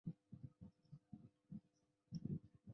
内莱塔尼亚的首都设在维也纳。